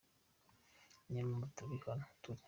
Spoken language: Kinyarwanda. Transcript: Ni yo mpamvu turi aho turi.